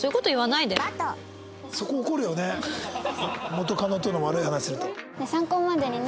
元カノとの悪い話すると。